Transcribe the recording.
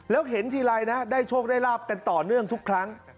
แล้วเห็นทีไรนะได้โชคได้ลาบกันต่อเนื่องทุกครั้ง